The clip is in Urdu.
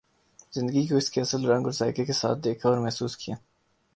زندگی کو اس کے اصل رنگ اور ذائقہ کے ساتھ دیکھا اور محسوس کیا